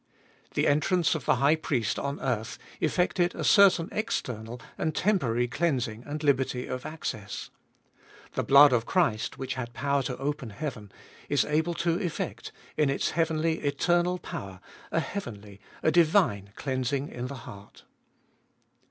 The entrance of the high priest on earth effected a certain external and temporary cleansing and liberty of access. The blood of Christ which had power to open heaven, is able to effect, in its heavenly, eternal power, a heavenly, a divine cleansing in the heart.